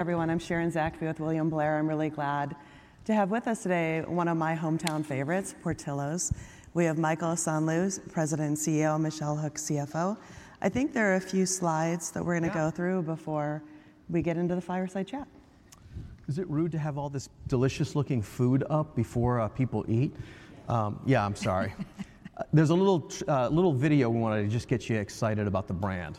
Everyone, I'm Sharon Zackfia with William Blair. I'm really glad to have with us today one of my hometown favorites, Portillo's. We have Michael Osanloo, President and CEO, Michelle Hook, CFO. I think there are a few slides that we're gonna go through- Yeah. before we get into the fireside chat. Is it rude to have all this delicious looking food up before people eat? Yeah, I'm sorry. There's a little video we wanted to just get you excited about the brand.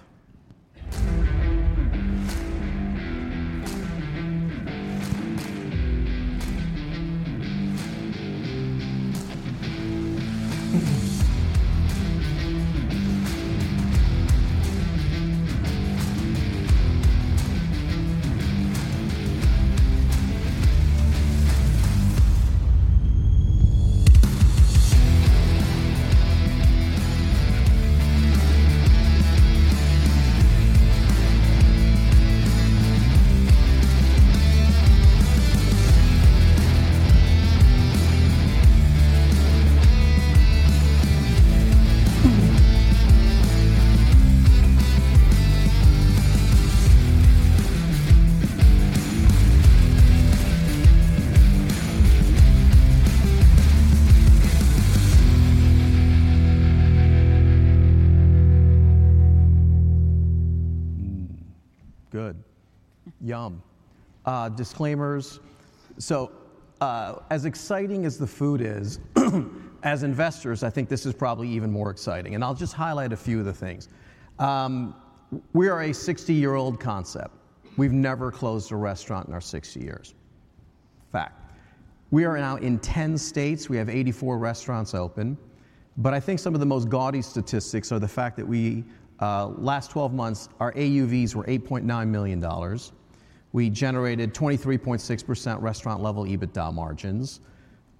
Mm, good. Yum! Disclaimers. So, as exciting as the food is, as investors, I think this is probably even more exciting, and I'll just highlight a few of the things. We are a 60-year-old concept. We've never closed a restaurant in our 60 years. Fact. We are now in 10 states. We have 84 restaurants open, but I think some of the most gaudy statistics are the fact that we, last 12 months, our AUVs were $8.9 million. We generated 23.6% restaurant-level EBITDA margins,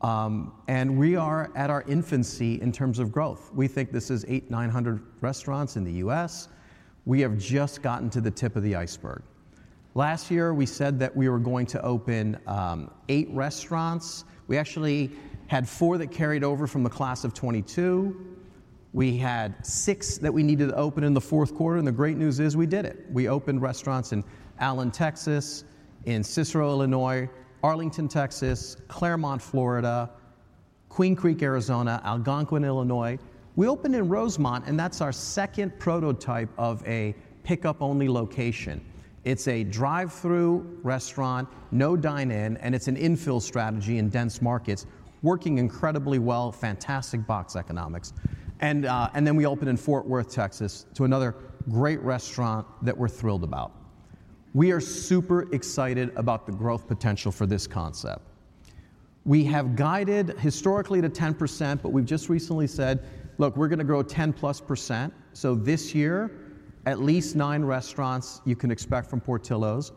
and we are at our infancy in terms of growth. We think this is 800-900 restaurants in the U.S. We have just gotten to the tip of the iceberg. Last year, we said that we were going to open 8 restaurants. We actually had 4 that carried over from the class of 2022. We had 6 that we needed to open in the fourth quarter, and the great news is, we did it. We opened restaurants in Allen, Texas, in Cicero, Illinois, Arlington, Texas, Clermont, Florida, Queen Creek, Arizona, Algonquin, Illinois. We opened in Rosemont, and that's our second prototype of a pickup-only location. It's a drive-through restaurant, no dine-in, and it's an infill strategy in dense markets, working incredibly well, fantastic box economics. And then we opened in Fort Worth, Texas, to another great restaurant that we're thrilled about. We are super excited about the growth potential for this concept. We have guided historically to 10%, but we've just recently said, "Look, we're gonna grow 10+%." So this year, at least 9 restaurants you can expect from Portillo's.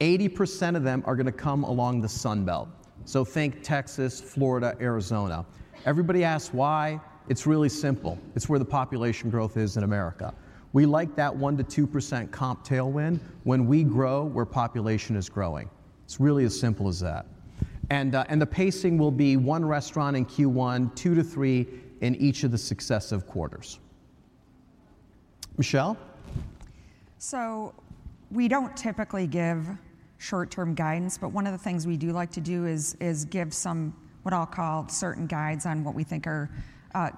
80% of them are gonna come along the Sun Belt. So think Texas, Florida, Arizona. Everybody asks why. It's really simple. It's where the population growth is in America. We like that 1%-2% comp tailwind when we grow, where population is growing. It's really as simple as that. And the pacing will be one restaurant in Q1, 2-3 in each of the successive quarters. Michelle? So we don't typically give short-term guidance, but one of the things we do like to do is give some, what I'll call, certain guides on what we think are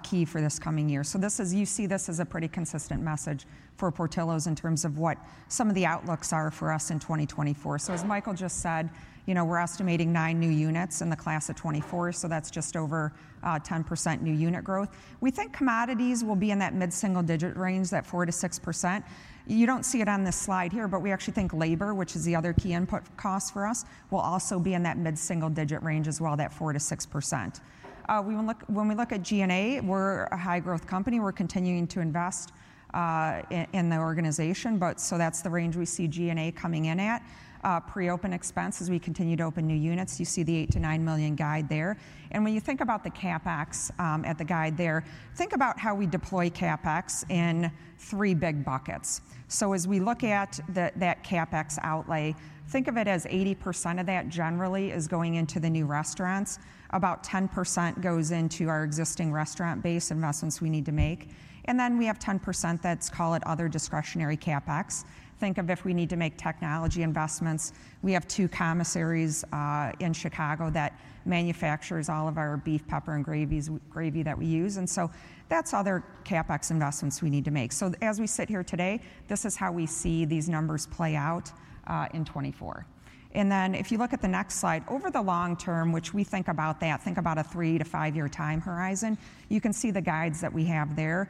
key for this coming year. So this is, you see this as a pretty consistent message for Portillo's in terms of what some of the outlooks are for us in 2024. So as Michael just said, you know, we're estimating 9 new units in the class of 2024, so that's just over 10% new unit growth. We think commodities will be in that mid-single-digit range, that 4%-6%. You don't see it on this slide here, but we actually think labor, which is the other key input cost for us, will also be in that mid-single-digit range as well, that 4%-6%. When we look at G&A, we're a high-growth company. We're continuing to invest in the organization, but so that's the range we see G&A coming in at. Pre-open expenses, we continue to open new units. You see the $8 million-$9 million guide there. When you think about the CapEx at the guide there, think about how we deploy CapEx in three big buckets. So as we look at that CapEx outlay, think of it as 80% of that generally is going into the new restaurants, about 10% goes into our existing restaurant base investments we need to make, and then we have 10% that's call it other discretionary CapEx. Think of if we need to make technology investments. We have two commissaries in Chicago that manufactures all of our beef, pepper, and gravies, gravy that we use, and so that's other CapEx investments we need to make. So as we sit here today, this is how we see these numbers play out in 2024. And then, if you look at the next slide, over the long term, which we think about that, think about a 3- to 5-year time horizon, you can see the guides that we have there.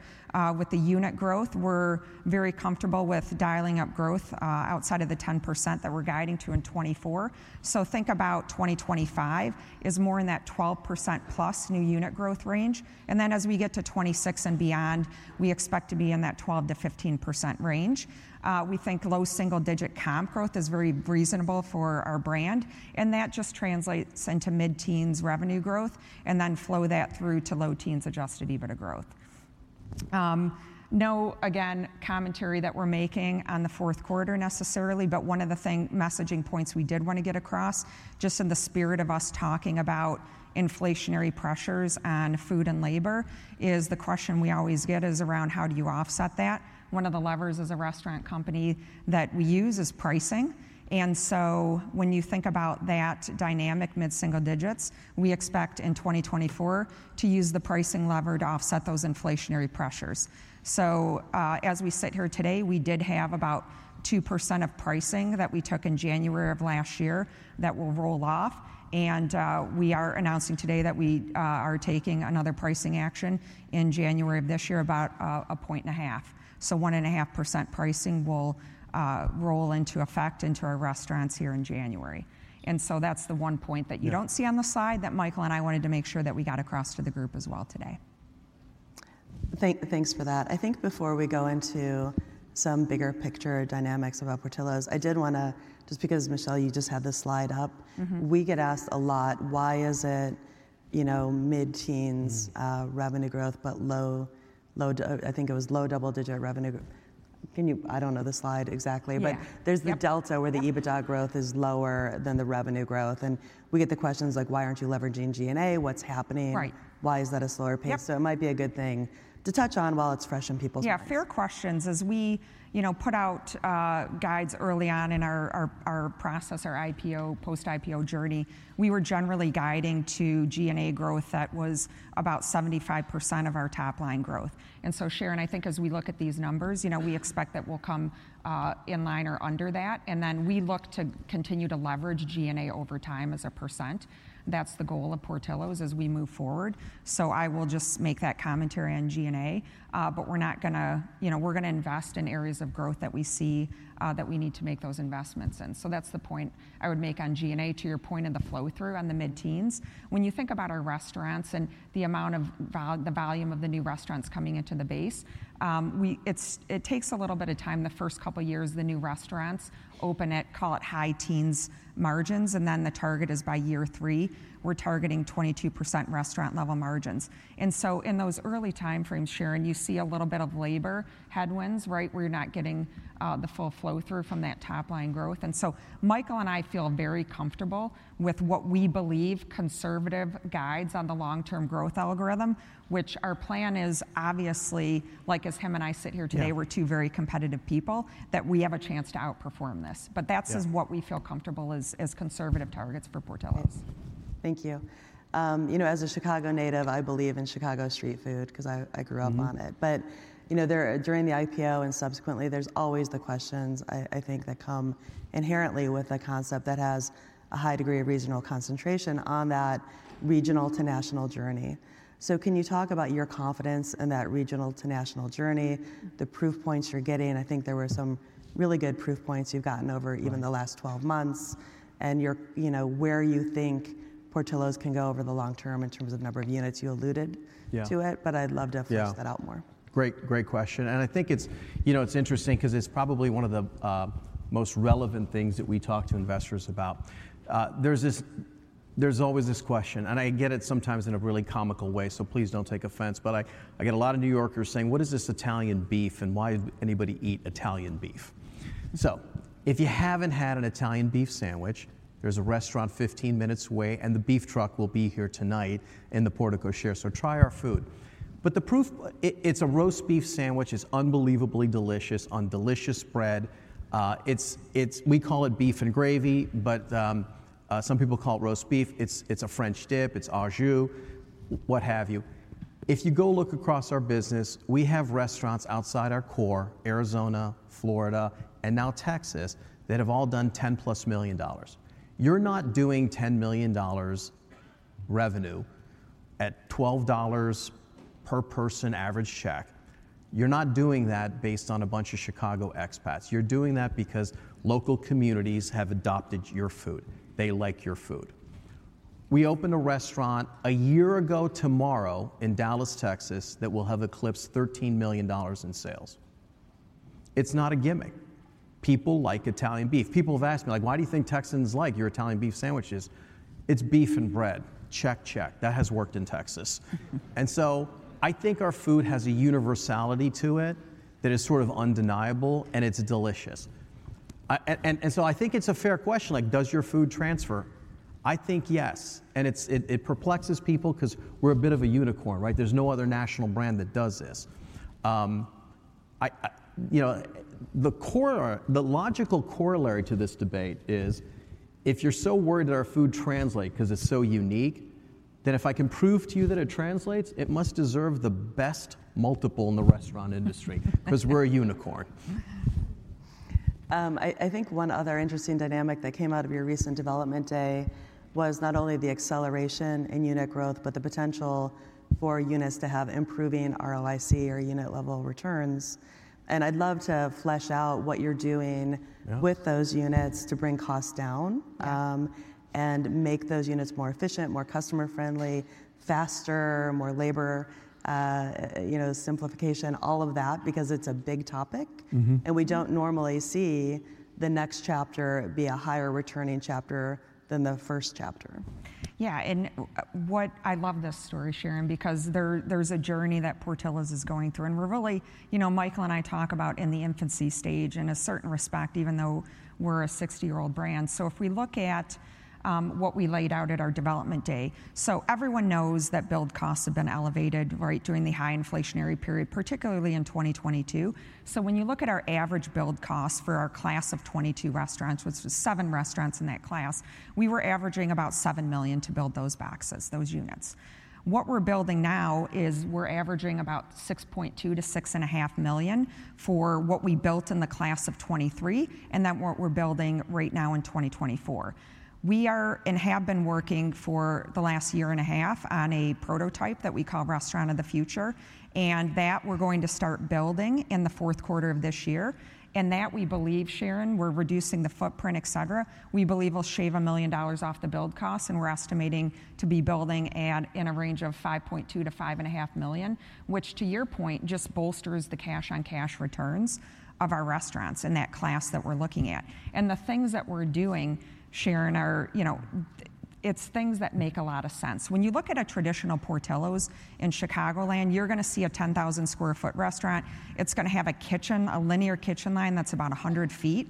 With the unit growth, we're very comfortable with dialing up growth outside of the 10% that we're guiding to in 2024. So think about 2025 is more in that 12% plus new unit growth range, and then as we get to 2026 and beyond, we expect to be in that 12%-15% range. We think low single-digit comp growth is very reasonable for our brand, and that just translates into mid-teens revenue growth, and then flow that through to low teens adjusted EBITDA growth. No, again, commentary that we're making on the fourth quarter necessarily, but one of the things, messaging points we did wanna get across, just in the spirit of us talking about inflationary pressures on food and labor, is the question we always get is around how do you offset that? One of the levers as a restaurant company that we use is pricing. And so when you think about that dynamic mid-single digits, we expect in 2024 to use the pricing lever to offset those inflationary pressures. So, as we sit here today, we did have about 2% of pricing that we took in January of last year that will roll off, and, we are announcing today that we, are taking another pricing action in January of this year, about, 1.5. So 1.5% pricing will, roll into effect into our restaurants here in January. And so that's the one point that you don't see on the side, that Michael and I wanted to make sure that we got across to the group as well today. Thanks for that. I think before we go into some bigger picture dynamics about Portillo's, I did wanna, just because, Michelle, you just had this slide up- Mm-hmm. We get asked a lot: Why is it, you know, mid-teens revenue growth, but low, low double-digit revenue? Can you... I don't know the slide exactly. Yeah. But there's the delta where the EBITDA growth is lower than the revenue growth, and we get the questions like, "Why aren't you leveraging G&A? What's happening? Right. Why is that a slower pace? Yep. It might be a good thing to touch on while it's fresh in people's minds. Yeah, fair questions. As we, you know, put out guides early on in our process, our IPO, post-IPO journey, we were generally guiding to G&A growth that was about 75% of our top-line growth. And so, Sharon, I think as we look at these numbers, you know, we expect that we'll come in line or under that, and then we look to continue to leverage G&A over time as a percent. That's the goal of Portillo's as we move forward. So I will just make that commentary on G&A, but we're not gonna. You know, we're gonna invest in areas of growth that we see, that we need to make those investments in. So that's the point I would make on G&A. To your point on the flow-through on the mid-teens, when you think about our restaurants and the amount of the volume of the new restaurants coming into the base, we, it takes a little bit of time. The first couple of years, the new restaurants open at, call it, high teens margins, and then the target is, by year three, we're targeting 22% restaurant-level margins. And so in those early timeframes, Sharon, you see a little bit of labor headwinds, right? Where you're not getting the full flow-through from that top-line growth. And so Michael and I feel very comfortable with what we believe conservative guides on the long-term growth algorithm, which our plan is obviously, like, as him and I sit here today- Yeah We're two very competitive people, that we have a chance to outperform this. Yeah. That is what we feel comfortable as, as conservative targets for Portillo's. Thank you. You know, as a Chicago native, I believe in Chicago street food 'cause I grew up on it. Mm-hmm. But, you know, there, during the IPO and subsequently, there's always the questions I think that come inherently with a concept that has a high degree of regional concentration on that regional to national journey. So can you talk about your confidence in that regional to national journey, the proof points you're getting? I think there were some really good proof points you've gotten over- Right Even the last 12 months, and your, you know, where you think Portillo's can go over the long term in terms of number of units. You alluded- Yeah To it, but I'd love to flesh that out more. Yeah. Great, great question, and I think it's, you know, it's interesting 'cause it's probably one of the most relevant things that we talk to investors about. There's always this question, and I get it sometimes in a really comical way, so please don't take offense, but I get a lot of New Yorkers saying: "What is this Italian beef, and why would anybody eat Italian beef?" So if you haven't had an Italian beef sandwich, there's a restaurant 15 minutes away, and the beef truck will be here tonight in the Portillo's share. So try our food. But the proof, it's a roast beef sandwich. It's unbelievably delicious on delicious bread. We call it beef and gravy, but some people call it roast beef. It's a French dip. It's au jus, what have you. If you go look across our business, we have restaurants outside our core, Arizona, Florida, and now Texas, that have all done $10+ million. You're not doing $10 million revenue at $12 per person average check. You're not doing that based on a bunch of Chicago expats. You're doing that because local communities have adopted your food. They like your food. We opened a restaurant a year ago tomorrow in Dallas, Texas, that will have eclipsed $13 million in sales. It's not a gimmick. People like Italian beef. People have asked me, like: "Why do you think Texans like your Italian beef sandwiches?" It's beef and bread. Check, check. That has worked in Texas. And so I think our food has a universality to it that is sort of undeniable, and it's delicious. So I think it's a fair question, like: Does your food transfer? I think yes, and it perplexes people 'cause we're a bit of a unicorn, right? There's no other national brand that does this. You know, the logical corollary to this debate is, if you're so worried that our food translate 'cause it's so unique, then if I can prove to you that it translates, it must deserve the best multiple in the restaurant industry cause we're a unicorn. I think one other interesting dynamic that came out of your recent development day was not only the acceleration in unit growth, but the potential for units to have improving ROIC or unit-level returns. I'd love to flesh out what you're doing- Yeah With those units to bring costs down, and make those units more efficient, more customer-friendly, faster, more labor, you know, simplification, all of that, because it's a big topic. Mm-hmm. We don't normally see the next chapter be a higher-returning chapter than the first chapter. Yeah, and I love this story, Sharon, because there, there's a journey that Portillo's is going through, and we're really, you know, Michael and I talk about in the infancy stage in a certain respect, even though we're a 60-year-old brand. So if we look at what we laid out at our development day, so everyone knows that build costs have been elevated, right, during the high inflationary period, particularly in 2022. So when you look at our average build cost for our class of 2022 restaurants, which was seven restaurants in that class, we were averaging about $7 million to build those boxes, those units. What we're building now is we're averaging about $6.2 million-$6.5 million for what we built in the class of 2023, and then what we're building right now in 2024. We are, and have been working for the last year and a half on a prototype that we call Restaurant of the Future, and that we're going to start building in the fourth quarter of this year, and that we believe, Sharon, we're reducing the footprint, et cetera. We believe we'll shave $1 million off the build costs, and we're estimating to be building at, in a range of $5.2 million-$5.5 million, which, to your point, just bolsters the cash-on-cash returns of our restaurants in that class that we're looking at. And the things that we're doing, Sharon, are, you know, it's things that make a lot of sense. When you look at a traditional Portillo's in Chicagoland, you're gonna see a 10,000-square-foot restaurant. It's gonna have a kitchen, a linear kitchen line that's about 100 feet.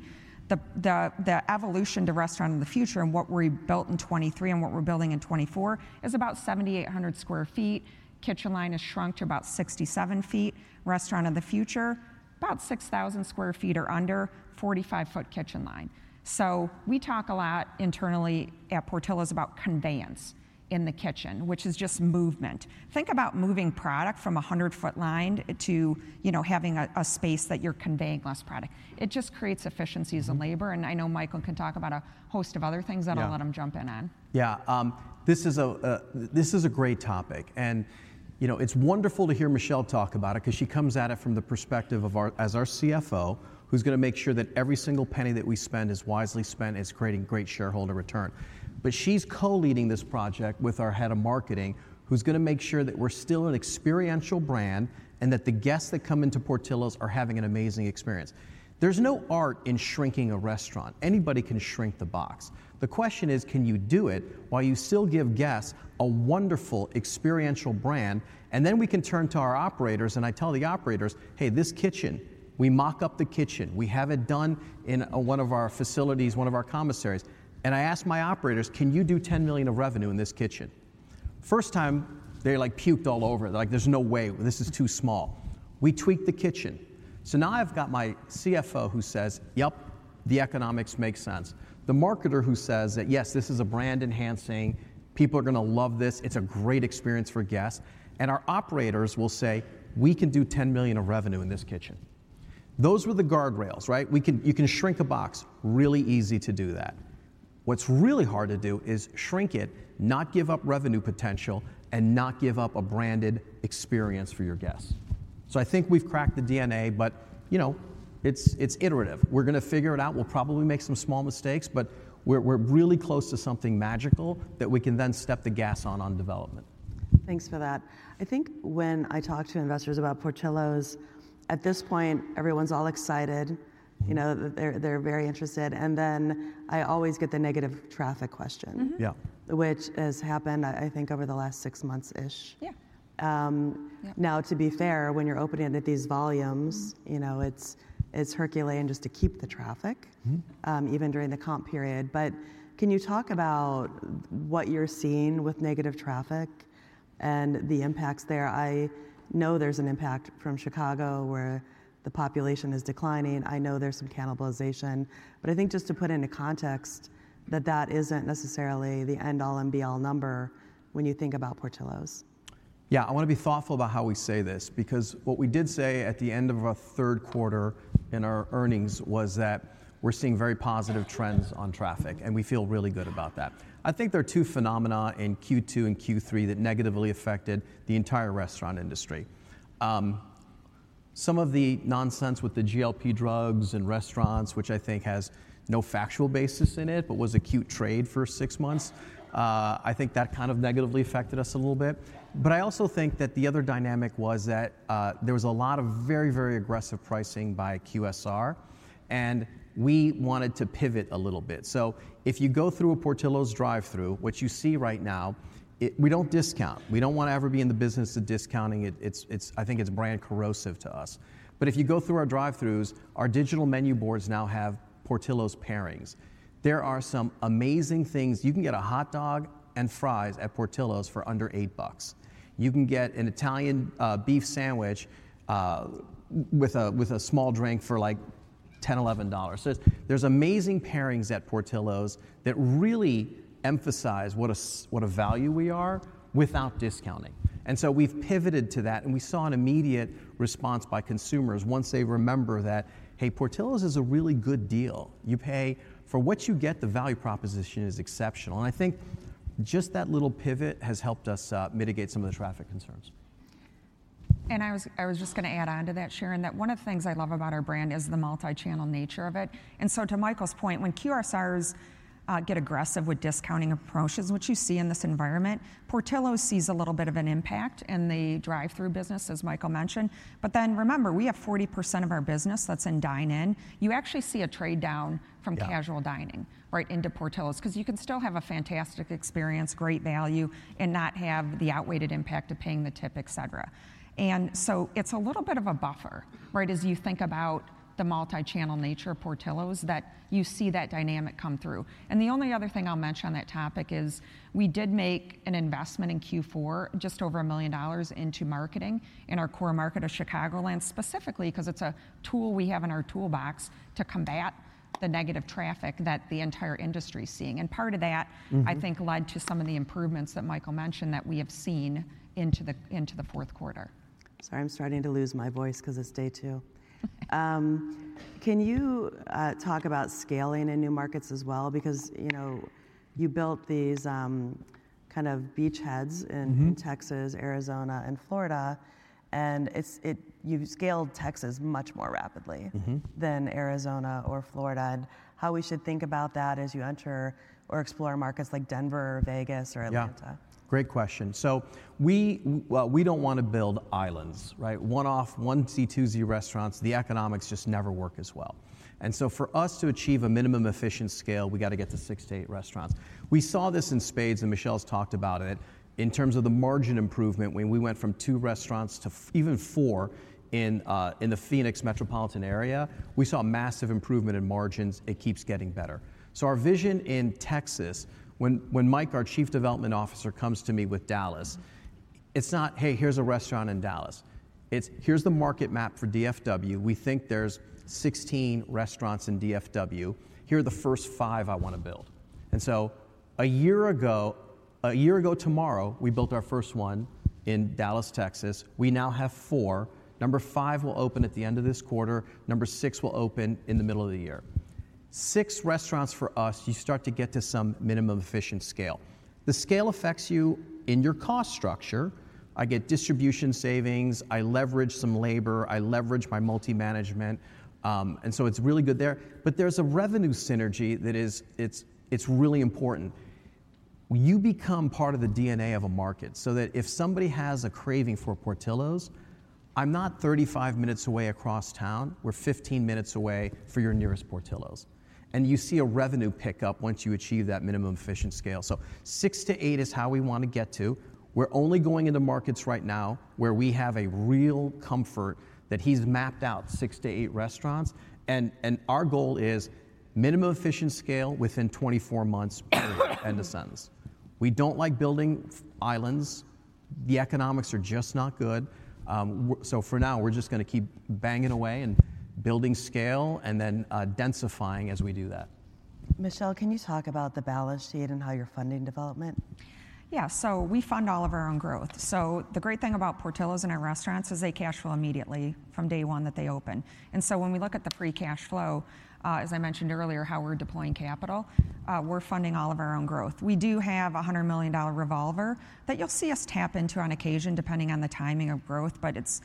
The evolution to Restaurant of the Future and what we built in 2023 and what we're building in 2024 is about 7,800 sq ft. Kitchen line is shrunk to about 67 feet. Restaurant of the Future, about 6,000 sq ft or under, 45-foot kitchen line. So we talk a lot internally at Portillo's about conveyance in the kitchen, which is just movement. Think about moving product from a 100-foot line to, you know, having a space that you're conveying less product. It just creates efficiencies in labor, and I know Michael can talk about a host of other things- That I'll let him jump in on. Yeah, this is a great topic, and, you know, it's wonderful to hear Michelle talk about it, 'cause she comes at it from the perspective of our CFO, who's gonna make sure that every single penny that we spend is wisely spent, and is creating great shareholder return. But she's co-leading this project with our head of marketing, who's gonna make sure that we're still an experiential brand, and that the guests that come into Portillo's are having an amazing experience. There's no art in shrinking a restaurant. Anybody can shrink the box. The question is, can you do it while you still give guests a wonderful, experiential brand? And then we can turn to our operators, and I tell the operators, "Hey, this kitchen" We mock up the kitchen. We have it done in one of our facilities, one of our commissaries. And I ask my operators: "Can you do $10 million of revenue in this kitchen?" First time, they, like, puked all over it. They're like: "There's no way. This is too small." We tweaked the kitchen. So now I've got my CFO, who says: "Yep, the economics make sense," the marketer who says that, "Yes, this is brand-enhancing. People are gonna love this. It's a great experience for guests," and our operators will say, "We can do $10 million of revenue in this kitchen." Those were the guardrails, right? You can shrink a box, really easy to do that. What's really hard to do is shrink it, not give up revenue potential, and not give up a branded experience for your guests. I think we've cracked the DNA, but, you know, it's iterative. We're gonna figure it out. We'll probably make some small mistakes, but we're really close to something magical that we can then step the gas on development. Thanks for that. I think when I talk to investors about Portillo's, at this point, everyone's all excited, you know, they're, they're very interested, and then I always get the negative traffic question- Mm-hmm. Which has happened, I think, over the last six months-ish. Yeah. Um- Yeah ow, to be fair, when you're opening at these volumes- You know, it's Herculean just to keep the traffic- Mm Even during the comp period. But can you talk about what you're seeing with negative traffic and the impacts there? I know there's an impact from Chicago, where the population is declining. I know there's some cannibalization, but I think just to put into context that that isn't necessarily the end-all and be-all number when you think about Portillo's. Yeah, I wanna be thoughtful about how we say this, because what we did say at the end of our third quarter in our earnings was that we're seeing very positive trends on traffic, and we feel really good about that. I think there are two phenomena in Q2 and Q3 that negatively affected the entire restaurant industry. Some of the nonsense with the GLP drugs andstaurants, which I think has no factual basis in it, but was acute trade for six months. I think that kind of negatively affected us a little bit. But I also think that the other dynamic was that there was a lot of very, very aggressive pricing by QSR, and we wanted to pivot a little bit. So if you go through a Portillo's drive-thru, what you see right now, we don't discount. We don't wanna ever be in the business of discounting. It's brand corrosive to us. But if you go through our drive-thrus, our digital menu boards now have Portillo's Pairings. There are some amazing things. You can get a hot dog and fries at Portillo's for under $8. You can get an Italian beef sandwich with a small drink for, like, $10-$11. So there's amazing pairings at Portillo's that really emphasize what a value we are, without discounting. And so we've pivoted to that, and we saw an immediate response by consumers once they remember that, hey, Portillo's is a really good deal. You pay for what you get, the value proposition is exceptional. And I think just that little pivot has helped us mitigate some of the traffic concerns. I was just gonna add on to that, Sharon, that one of the things I love about our brand is the multi-channel nature of it. And so to Michael's point, when QSRs get aggressive with discounting approaches, which you see in this environment, Portillo's sees a little bit of an impact in the drive-thru business, as Michael mentioned. But then, remember, we have 40% of our business that's in dine-in. You actually see a trade-down from- Yeah Casual dining, right, into Portillo's, 'cause you can still have a fantastic experience, great value, and not have the outweighed impact of paying the tip, et cetera. And so it's a little bit of a buffer, right, as you think about the multi-channel nature of Portillo's, that you see that dynamic come through. And the only other thing I'll mention on that topic is we did make an investment in Q4, just over $1 million into marketing in our core market of Chicagoland, specifically, 'cause it's a tool we have in our toolbox to combat the negative traffic that the entire industry is seeing. And part of that- Mm-hmm I think led to some of the improvements that Michael mentioned that we have seen into the fourth quarter. Sorry, I'm starting to lose my voice 'cause it's day two. Can you talk about scaling in new markets as well? Because, you know, you built these kind of beachheads in- Mm-hmm .Texas, Arizona, and Florida, and it's, you've scaled Texas much more rapidly- Mm-hmm than Arizona or Florida, and how we should think about that as you enter or explore markets like Denver or Vegas or Atlanta? Yeah. Great question. So we, well, we don't wanna build islands, right? One-off, one C, two Z restaurants, the economics just never work as well. And so for us to achieve a minimum efficient scale, we gotta get to 6-8 restaurants. We saw this in spades, and Michelle's talked about it, in terms of the margin improvement. When we went from two restaurants to even four in the Phoenix metropolitan area, we saw a massive improvement in margins. It keeps getting better. So our vision in Texas, when Mike, our Chief Development Officer, comes to me with Dallas, it's not, "Hey, here's a restaurant in Dallas." It's, "Here's the market map for DFW. We think there's 16 restaurants in DFW. Here are the first five I wanna build." And so a year ago, a year ago tomorrow, we built our first one in Dallas, Texas. We now have four. Number five will open at the end of this quarter; number six will open in the middle of the year. six restaurants for us, you start to get to some minimum efficient scale. The scale affects you in your cost structure. I get distribution savings, I leverage some labor, I leverage my multi-management, and so it's really good there. But there's a revenue synergy that is, it's really important when you become part of the DNA of a market, so that if somebody has a craving for Portillo's, I'm not 35 minutes away across town; we're 15 minutes away for your nearest Portillo's. And you see a revenue pickup once you achieve that minimum efficient scale. So 6-8 is how we wanna get to. We're only going into markets right now where we have a real comfort that he's mapped out 6-8 restaurants, and, and our goal is minimum efficient scale within 24 months, end of sentence. We don't like building islands. The economics are just not good. So for now, we're just gonna keep banging away and building scale, and then, densifying as we do that. Michelle, can you talk about the balance sheet and how you're funding development? Yeah. So we fund all of our own growth. So the great thing about Portillo's and our restaurants is they cash flow immediately from day one that they open. And so when we look at the free cash flow, as I mentioned earlier, how we're deploying capital, we're funding all of our own growth. We do have a $100 million revolver that you'll see us tap into on occasion, depending on the timing of growth, but it's,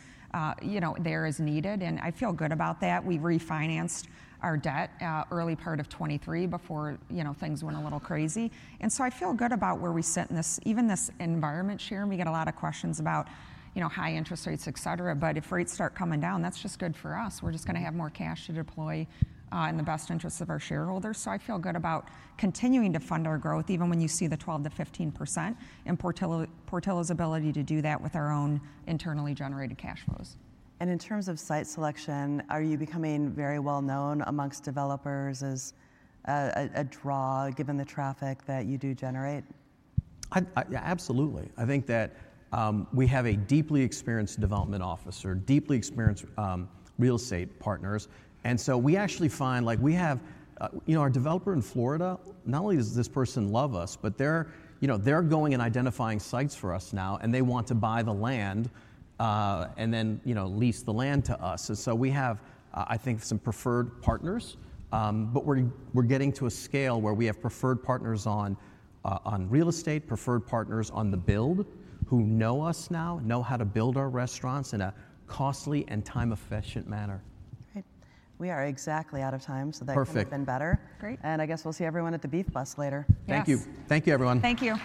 you know, there as needed, and I feel good about that. We've refinanced our debt, early part of 2023 before, you know, things went a little crazy. And so I feel good about where we sit in this, even this environment, Sharon. We get a lot of questions about, you know, high interest rates, et cetera, but if rates start coming down, that's just good for us. We're just gonna have more cash to deploy, in the best interests of our shareholders. So I feel good about continuing to fund our growth, even when you see the 12%-15%, and Portillo, Portillo's ability to do that with our own internally generated cash flows. In terms of site selection, are you becoming very well known among developers as a draw, given the traffic that you do generate? Yeah, absolutely. I think that we have a deeply experienced development officer, deeply experienced real estate partners, and so we actually find, like, we have, you know, our developer in Florida, not only does this person love us, but they're, you know, they're going and identifying sites for us now, and they want to buy the land, and then, you know, lease the land to us. And so we have, I think some preferred partners, but we're getting to a scale where we have preferred partners on, on real estate, preferred partners on the build, who know us now, know how to build our restaurants in a costly and time-efficient manner. Great. We are exactly out of time, so that- Perfect couldn't have been better. Great. I guess we'll see everyone at the Beef Bus later. Yes. Thank you. Thank you, everyone. Thank you.